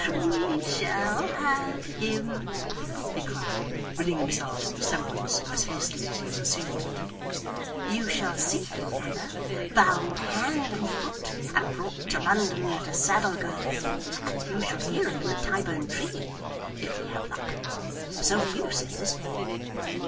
We shall have him,' he cried, ridding himself of the semblance as hastily as he had assumed it. 'You shall see him, mother, bound hand and foot, and brought to London at a saddle girth; and you shall hear of him at Tyburn Tree if we have luck. So Hugh says.